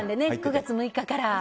９月６日から。